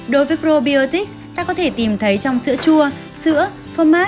đối với probiotics ta có thể tìm thấy trong sữa chua sữa format dưa chua kimchi